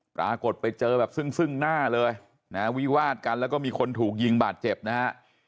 ปรากฏไปเจอแบบซึ่งซึ่งหน้าเลยนะฮะวิวาดกันแล้วก็มีคนถูกยิงบาดเจ็บนะฮะ